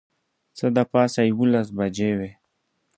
څه د پاسه یوولس بجې وې.